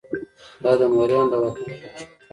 دا د موریانو د واکمنۍ نښه ده